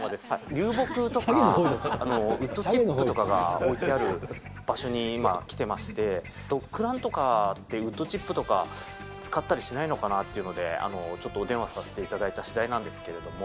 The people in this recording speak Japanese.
流木とかウッドチップとかが置いてある場所に今、来てまして、ドッグランとかってウッドチップとか使ったりしないのかなっていうので、ちょっとお電話させていただいたしだいなんですけれども。